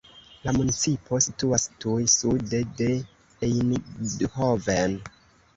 La municipo situas tuj sude de Eindhoven.